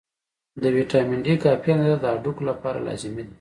د ویټامین D کافي اندازه د هډوکو لپاره لازمي ده.